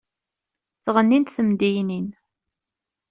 Ttɣennint temdeyynin.